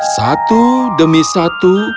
satu demi satu